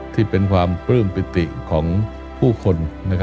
ที่เป็นความปลื้มปิติของผู้คน